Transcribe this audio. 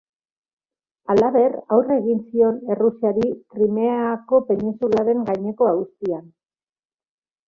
Halaber, aurre egin zion Errusiari Krimeako penintsularen gaineko auzian.